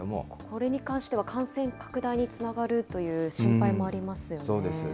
これに関しては、感染拡大につながるという心配もありますよ